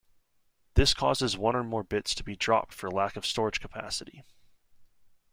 This causes one or more bits to be dropped for lack of storage capacity.